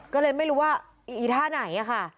ก็เลยไม่รู้ว่าอีท่าไหนอะค่ะ